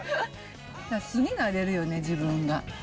素になれるよね、自分が。